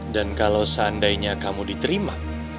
dan kalau seandainya kamu diterima